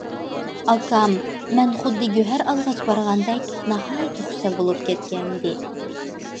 ئاكام مەن خۇددى گۆھەر ئالغاچ بارغاندەك ناھايىتى خۇشال بولۇپ كەتكەنىدى.